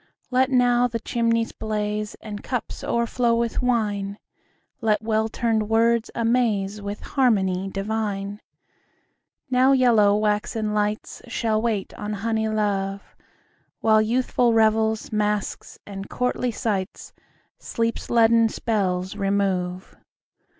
Let now the chimneys blaze 5 And cups o'erflow with wine; Let well tuned words amaze With harmony divine. Now yellow waxen lights Shall wait on honey love, 10 While youthful revels, masques, and courtly sights Sleep's leaden spells remove.